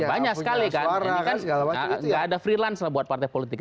banyak sekali kan ini kan nggak ada freelance lah buat partai politik